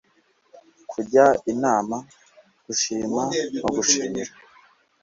kujya inama, gushima no gushimira